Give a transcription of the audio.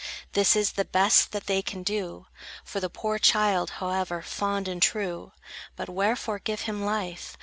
This is the best that they can do For the poor child, however fond and true. But wherefore give him life?